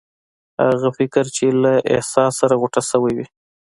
هغه فکر چې له احساس سره غوټه شوی وي.